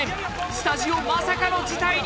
スタジオまさかの事態に！